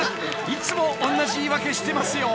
いつもおんなじ言い訳してますよ］